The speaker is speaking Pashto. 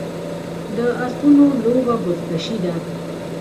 د اسونو لوبه بزکشي ده